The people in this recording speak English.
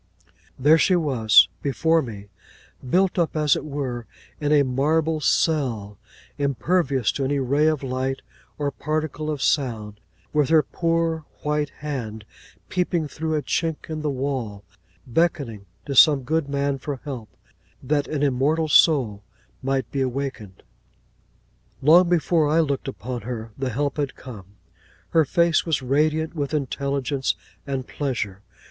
There she was, before me; built up, as it were, in a marble cell, impervious to any ray of light, or particle of sound; with her poor white hand peeping through a chink in the wall, beckoning to some good man for help, that an Immortal soul might be awakened. Long before I looked upon her, the help had come. Her face was radiant with intelligence and pleasure.